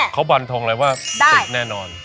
เขาบรรทงเลยว่าติดแน่นอน